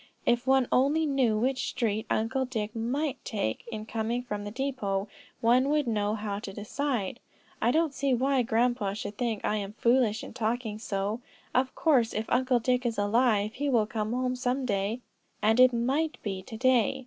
"If one only knew which street Uncle Dick might take in coming from the depot, one would know how to decide. I don't see why grandpa should think I am foolish in talking so; of course if Uncle Dick is alive, he will come home some day, and it might be to day.